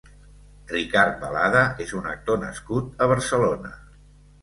Ricard Balada és un actor nascut a Barcelona.